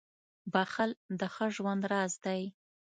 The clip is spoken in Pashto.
• بښل د ښه ژوند راز دی.